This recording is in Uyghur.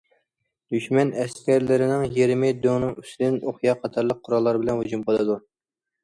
دۈشمەن ئەسكەرلىرىنىڭ يېرىمى دۆڭنىڭ ئۈستىدىن ئوقيا قاتارلىق قوراللار بىلەن ھۇجۇم قىلىدۇ.